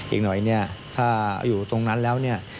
อีกหน่อยเนี่ยถ้าอยู่ตรงนั้นแล้วเนี่ย